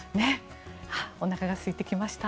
おなかがすいてきました。